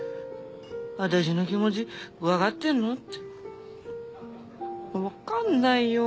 私の気持ちわかってんの？ってわかんないよ。